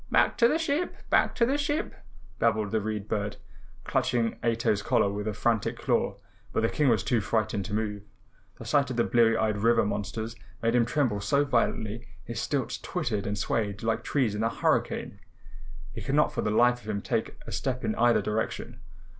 "Back to the ship! Back to the ship!" babbled the Read Bird, clutching Ato's collar with a frantic claw. But the King was too frightened to move. The sight of the bleary eyed river monsters made him tremble so violently his stilts twittered and swayed like trees in a hurricane. He could not for the life of him take a step in either direction.